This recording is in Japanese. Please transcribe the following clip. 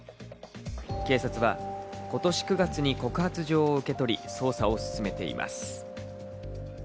警察は今年９月に告発状を受け取り捜査を進めています。